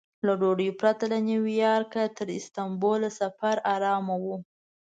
له ډوډۍ پرته له نیویارکه تر استانبوله سفر ارامه و.